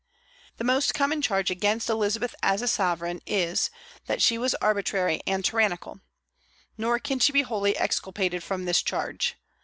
The most common charge against Elizabeth as a sovereign is, that she was arbitrary and tyrannical; nor can she be wholly exculpated from this charge.